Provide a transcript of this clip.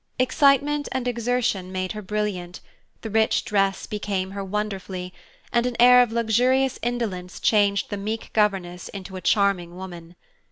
Excitement and exertion made her brilliant, the rich dress became her wonderfully, and an air of luxurious indolence changed the meek governess into a charming woman.